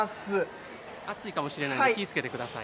熱いかもしれないので気いつけてくださいね。